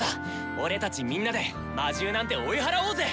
俺たちみんなで魔獣なんて追い払おうぜ！